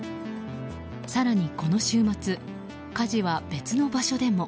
更に、この週末火事は別の場所でも。